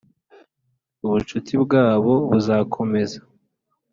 ubucuti bwabo buzakomeza